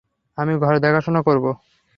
আমি ঘর দেখাশোনা করব।